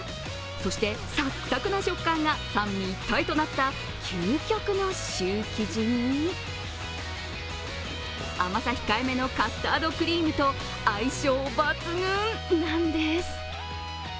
そして、サクサクな食感が三位一体となった究極のシュー生地に、甘さ控えめのカスタードクリームと相性抜群なんです。